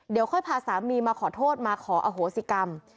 เดี๋ยวค่อยพาสามีมาขอโทษมาขออโหสิกรรม